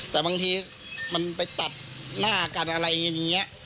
แต่บางทีมันไปตัดหน้ากันอะไรอย่างนี้